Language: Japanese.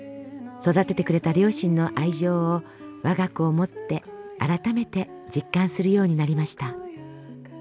育ててくれた両親の愛情を我が子を持って改めて実感するようになりました。